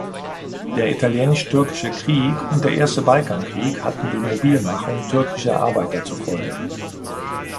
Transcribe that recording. Der Italienisch-Türkische Krieg und der Erste Balkankrieg hatten die Mobilmachung türkischer Arbeiter zur Folge.